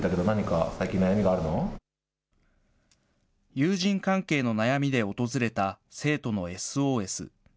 友人関係の悩みで訪れた生徒のＳＯＳ。